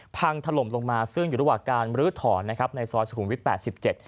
พังทะลบลงมาซึ่งอยู่ระหว่างการมฤทธรณในซ้อยสกุลวิทย์๘๗